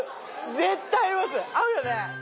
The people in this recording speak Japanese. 絶対合います合うよね？